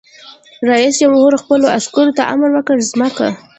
رئیس جمهور خپلو عسکرو ته امر وکړ؛ ځمکه!